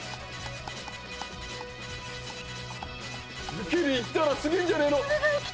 ゆきりんいったらすげえんじゃねえの？